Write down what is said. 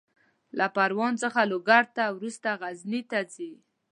له پروان څخه لوګر ته، وروسته غزني ته ځي.